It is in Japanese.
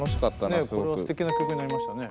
ねっこれはすてきな曲になりましたね。